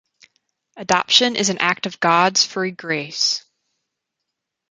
Adoption is an act of God’s free grace